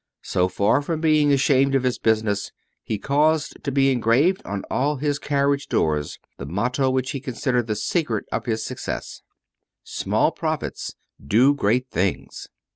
So far from being ashamed of his business, he caused to be engraved on all his carriage doors the motto which he considered the secret of his success: SMALL PROFITS DO GREAT THINGS.